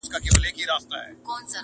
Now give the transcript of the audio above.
د کباب هره ټوته د زهرو جام وو -